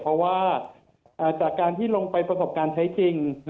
เพราะว่าจากการที่ลงไปประสบการณ์ใช้จริง